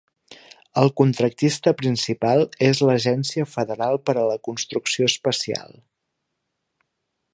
El contractista principal és l'Agència Federal per a la Construcció Especial.